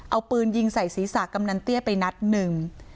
เอาปืนยิงใส่ศีรษะกำนันเตี้ยไปนัดหนึ่ง